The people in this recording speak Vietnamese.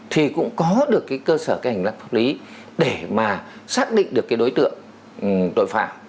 thì cũng có được cái cơ sở cái hành lang pháp lý để mà xác định được cái đối tượng tội phạm